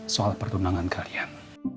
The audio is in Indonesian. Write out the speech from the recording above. soal pertunangan kalian